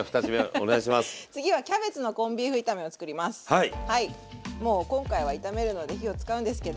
はいもう今回は炒めるので火を使うんですけど。